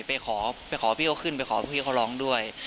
ไปขอไปขอพี่เขาขึ้นไปขอพี่เขาร้องด้วย